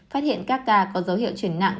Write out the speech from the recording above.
phát hiện các ca có dấu hiệu chuyển nặng